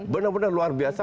benar benar luar biasa